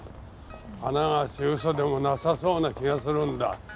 あながち嘘でもなさそうな気がするんだ。